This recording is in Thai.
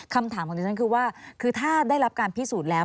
คำถามของดิฉันคือว่าคือถ้าได้รับการพิสูจน์แล้ว